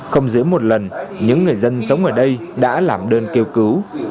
không dưới một lần những người dân sống ở đây đã làm đơn kêu cứu